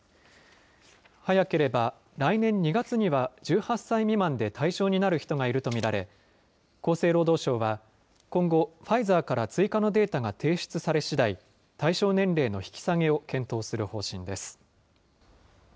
早ければ来年２月には１８歳未満で対象になる人がいると見られ、厚生労働省は今後、ファイザーから追加のデータが提出されしだい、対象年齢の引き下げを検討する方針です。